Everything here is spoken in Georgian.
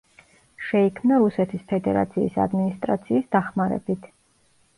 შეიქმნა რუსეთის ფედერაციის ადმინისტრაციის დახმარებით.